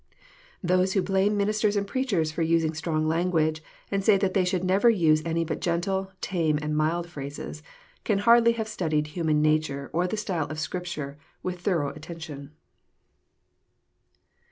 Those who blame ministers and preachers for using strong language, and say that they should never use any but gentle, tame, and mild phrases, can hardly have studied human nature or the style of Scripture with thorough attention.